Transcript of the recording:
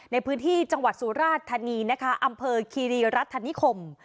ในพื้นที่จังหวัดสุราชธานีนะคะอำเภอคีรีรัฐนิคม